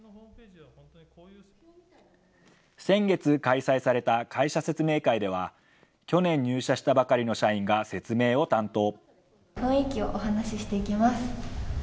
先月、開催された会社説明会では、去年入社したばかりの社員が説明を担当。